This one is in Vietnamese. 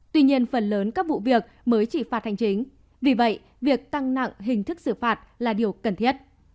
tuy nhiên phần lớn các vụ việc mới chỉ phạt hành chính vì vậy việc tăng nặng hình thức xử phạt là điều cần thiết